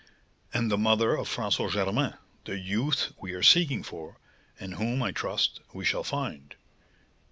"And the mother of François Germain, the youth we are seeking for, and whom, I trust, we shall find."